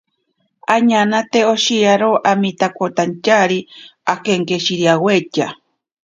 Añanate oshiyaro aminakotantyari akinkishiriawaitya.